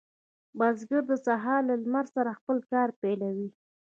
بزګر د سهار له لمر سره خپل کار پیلوي.